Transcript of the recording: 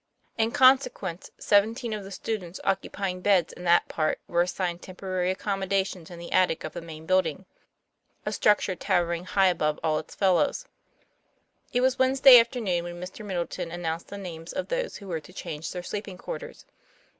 In consequence, seven teen of the students occupying beds in that part were assigned temporary accommodations in the attic of the main building, a structure towering high above all its fellows. TOM PLA YFAIR. 95 It was Wednesday afternoon when Mr. Middleton announced the names of those who were to change their sleeping quarters.